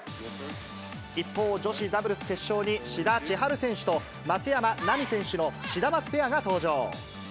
一方、女子ダブルス決勝に、志田千陽選手と、松山なみ選手のシダマツペアが登場。